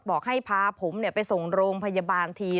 บอกให้พาผมไปส่งโรงพยาบาลที